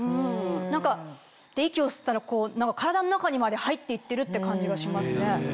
何かって息を吸ったら体の中にまで入っていってるって感じがしますね。